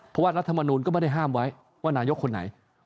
เพราะว่ารัฐมนูลก็ไม่ได้ห้ามไว้ว่านายกคนไหน